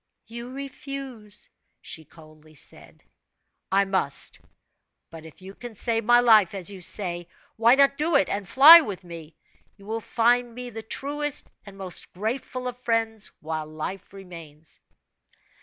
"You refuse?" she coldly said. "I must! But if you can save my life, as you say, why not do it, and fly with me? You will find me the truest and most grateful of friends, while life remains."